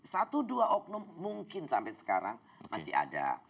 satu dua oknum mungkin sampai sekarang masih ada